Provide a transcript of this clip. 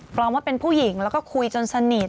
รองว่าเป็นผู้หญิงแล้วก็คุยจนสนิท